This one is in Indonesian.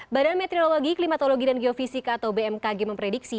badan meteorologi klimatologi dan geofisika atau bmkg memprediksi